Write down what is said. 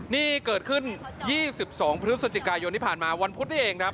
นี่เกิดขึ้น๒๒พฤศจิกายนที่ผ่านมาวันพุธนี้เองครับ